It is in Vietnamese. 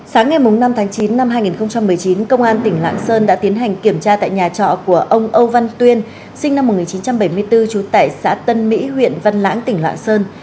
sáng ngày năm tháng chín năm hai nghìn một mươi chín công an tỉnh lạng sơn đã tiến hành kiểm tra tại nhà trọ của ông âu văn tuyên sinh năm một nghìn chín trăm bảy mươi bốn trú tại xã tân mỹ huyện văn lãng tỉnh lạng sơn